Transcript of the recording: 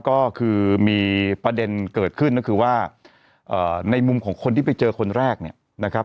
ก็คือมีประเด็นเกิดขึ้นก็คือว่าในมุมของคนที่ไปเจอคนแรกเนี่ยนะครับ